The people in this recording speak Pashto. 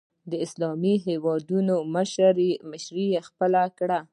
د اسلامي هېوادونو مشري خپله کړي